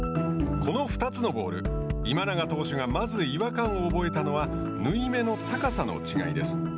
この２つのボール今永投手がまず違和感を覚えたのは縫い目の高さの違いです。